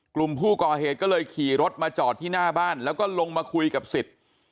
กลุ่มผู้ก่อเหตุก็เลยขี่รถมาจอดที่หน้าบ้านแล้วก็ลงมาคุยกับสิทธิ์